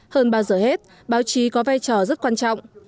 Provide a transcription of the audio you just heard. hơn bao giờ hết báo chí có vai trò rất quan trọng